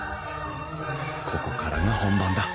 ここからが本番だ。